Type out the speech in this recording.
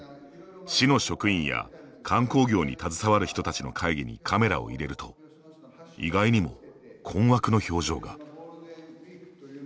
市の職員や観光業に携わる人たちの会議にカメラを入れると意外にも困惑の表情が。